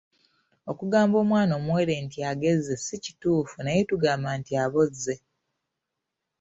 Okugamba omwana omuwere nti agezze si kituufu naye tugamba nti abozze.